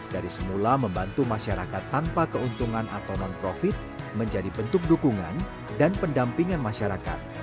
dari semula membantu masyarakat tanpa keuntungan atau non profit menjadi bentuk dukungan dan pendampingan masyarakat